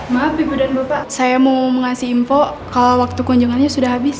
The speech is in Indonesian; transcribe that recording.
maaf ibu dan bapak saya mau mengasih info kalau waktu kunjungannya sudah habis